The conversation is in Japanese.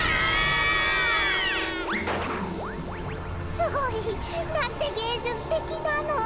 すごいなんてげいじゅつてきなの！